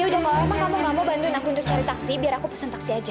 ya udah gak lama kamu gak mau bantuin aku untuk cari taksi biar aku pesan taksi aja